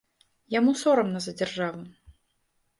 Яму сорамна за дзяржаву.